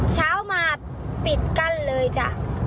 เช้ามาปิดกั้นเลยจ้ะ